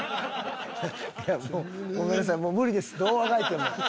いやもうごめんなさい無理ですどうあがいても。